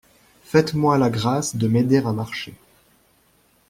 Faites-moi la grâce de m'aider à marcher.